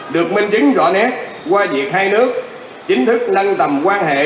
được minh chứng rõ nét qua việc hai nước chính thức nâng tầm quan hệ